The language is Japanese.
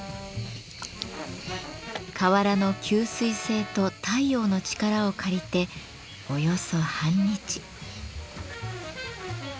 瓦の吸水性と太陽の力を借りておよそ半日。